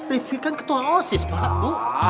rifki kan ketua osis pak